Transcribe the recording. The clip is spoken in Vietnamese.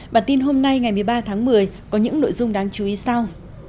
bản tin hôm nay ngày một mươi ba tháng một mươi có những nội dung đáng chú ý sau